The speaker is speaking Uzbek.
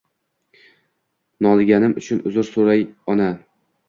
Noliganim uchun uzr suray ona